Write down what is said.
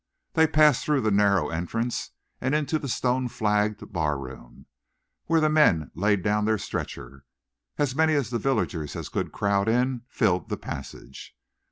They passed through the narrow entrance and into the stone flagged barroom, where the men laid down their stretcher. As many of the villagers as could crowd in filled the passage.